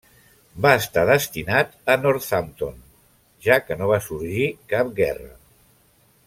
Va estar destinat a Northampton, ja que no va sorgir cap guerra.